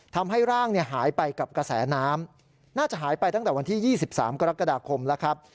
ทำให้ร่างหายไปกับกระแสน้ำน่าจะหายไปตั้งแต่วันที่๒๓กรกฎาคมแล้วครับ